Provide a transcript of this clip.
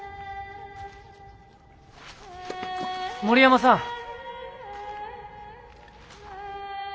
森山さん。